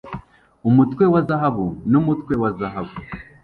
Umutwe wa zahabu numutwe wa zahabu